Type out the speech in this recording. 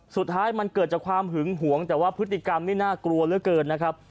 สุดท้ายมันเกิดจากความหึงหวงแต่ว่าพฤติกรรมนี่น่ากลัวเหลือเกินนะครับ